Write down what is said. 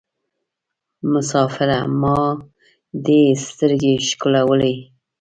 مسافره ما دي سترګي شکولولې